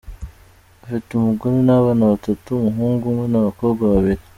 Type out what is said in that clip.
Afite umugore n’abana batatu, umuhungu umwe n’abakobwa babiri.